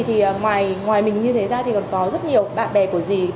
thì ngoài mình như thế ra thì còn có rất nhiều bạn bè của dì